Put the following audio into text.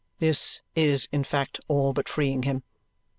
This is in fact all but freeing him.